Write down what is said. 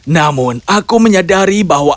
namun aku menyadari bahwa